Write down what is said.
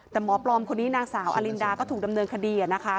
แต่หมอปลอมคนนี้นางสาวอลินดาก็ถูกดำเนินคดีนะคะ